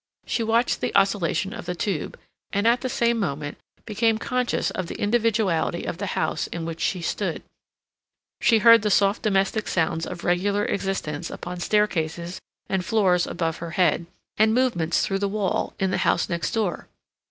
She watched the oscillation of the tube, and at the same moment became conscious of the individuality of the house in which she stood; she heard the soft domestic sounds of regular existence upon staircases and floors above her head, and movements through the wall in the house next door.